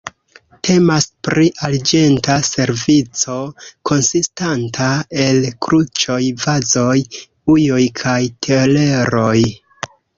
Temas pri arĝenta servico konsistanta el kruĉoj, vazoj, ujoj kaj teleroj.